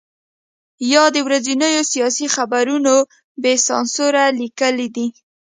یا د ورځنیو سیاسي خبرو بې سانسوره لیکل دي.